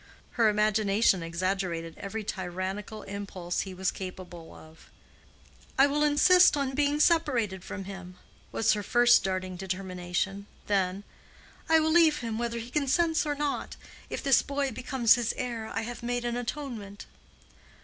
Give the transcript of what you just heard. Her imagination exaggerated every tyrannical impulse he was capable of. "I will insist on being separated from him"—was her first darting determination; then, "I will leave him whether he consents or not. If this boy becomes his heir, I have made an atonement."